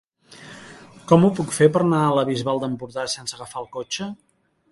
Com ho puc fer per anar a la Bisbal d'Empordà sense agafar el cotxe?